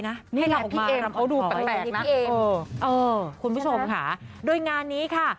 นี่เราพี่เอมเขาดูแปลกนะคุณผู้ชมค่ะโดยงานนี้ค่ะ